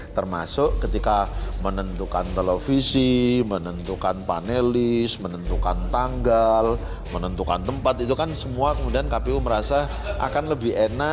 termasuk ketika menentukan televisi menentukan panelis menentukan tanggal menentukan tempat itu kan semua kemudian kpu merasa akan lebih enak